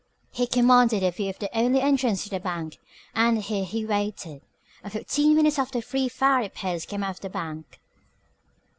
He commanded a view of the only entrance to the bank, and here he waited. At fifteen minutes after three Farry Pierce came out of the bank.